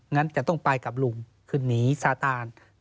งั้นจะต้องไปกับลุงคือหนีซาตาน